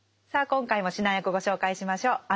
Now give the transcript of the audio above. さあ今回も指南役ご紹介しましょう。